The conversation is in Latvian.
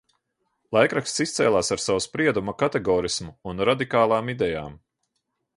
Laikraksts izcēlās ar savu spriedumu kategoriskumu un radikālām idejām.